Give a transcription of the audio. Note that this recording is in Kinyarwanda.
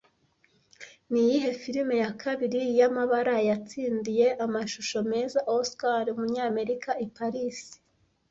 Niyihe firime ya kabiri yamabara yatsindiye amashusho meza Oscar Umunyamerika i Paris